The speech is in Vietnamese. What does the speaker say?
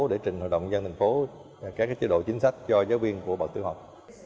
để trình hội đồng nhân thành phố các chế độ chính sách cho giáo viên của bậc tiểu học